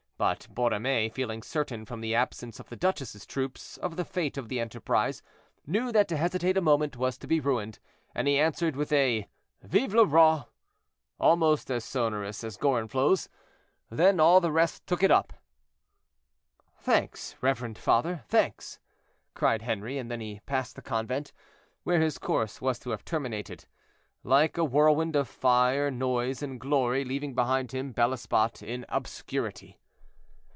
But Borromée, feeling certain from the absence of the duchess's troops of the fate of the enterprise, knew that to hesitate a moment was to be ruined, and he answered with a "Vive le Roi!" almost as sonorous as Gorenflot's. Then all the rest took it up. "Thanks, reverend father, thanks," cried Henri; and then he passed the convent, where his course was to have terminated, like a whirlwind of fire, noise, and glory, leaving behind him Bel Esbat in obscurity.